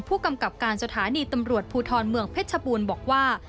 ผู้กำกับการสถานีตำรวจภูทรเมืองเพชรชบูรณ์บอกว่า